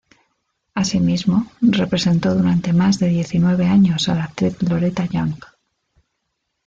Así mismo, representó durante más de diecinueve años a la actriz Loretta Young.